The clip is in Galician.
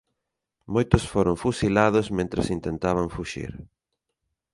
Moitos foron fusilados mentres intentaban fuxir.